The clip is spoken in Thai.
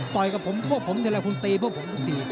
ต่อยกับผมพวกผมจะแรกคุณตีพวกผมก็ตี